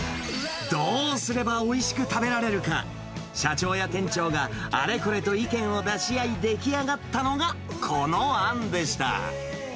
どうすればおいしく食べられるか、社長や店長が、あれこれと意見を出し合い出来上がったのが、このあんでした。